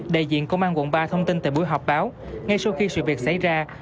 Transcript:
đại diện công an quận ba thông tin tại buổi họp báo ngay sau khi sự việc xảy ra